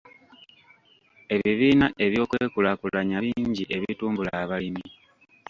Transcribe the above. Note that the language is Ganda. Ebibiina ebyokwekulaakulanya bingi ebitumbula abalimi.